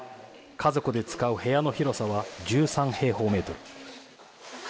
家族で使う部屋の広さは１３平方メートル。